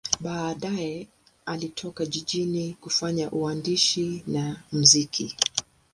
Baadaye alitoka jijini kufanya uandishi na muziki.